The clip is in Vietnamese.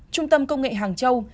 trung tâm công nghệ hàng châu